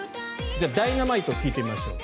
「Ｄｙｎａｍｉｔｅ」を聴いてみましょう。